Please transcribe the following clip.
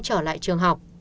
trở lại trường học